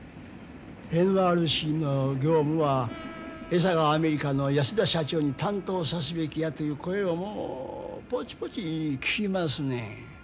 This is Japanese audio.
ＮＲＣの業務は江坂アメリカの安田社長に担当さすべきやという声をもうぼちぼち聞きますねん。